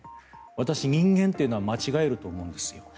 私、人間というのは間違えると思うんですよ。